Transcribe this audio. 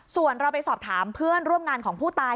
ส่วนเราไปสอบถามเพื่อนร่วมงานของผู้ตาย